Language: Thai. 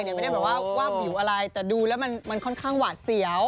ไม่ได้แบบว่าวาบวิวอะไรแต่ดูแล้วมันค่อนข้างหวาดเสียว